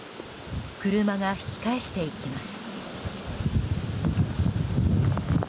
車が引き返していきます。